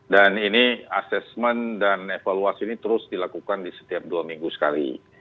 dan ini assessment dan evaluasi ini terus dilakukan di setiap dua minggu sekali